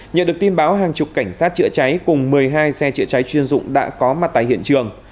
nhận được tin báo hàng chục cảnh sát chữa cháy cùng một mươi hai xe chữa cháy chuyên dụng đã có mặt tại hiện trường